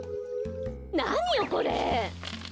なによこれ！